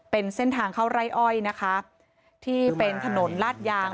เป็นเส้นทางเข้าไร่อ้อยนะคะที่เป็นถนนลาดยาง